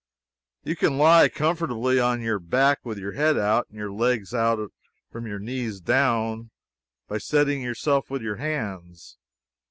You can lie comfortably, on your back, with your head out, and your legs out from your knees down, by steadying yourself with your hands.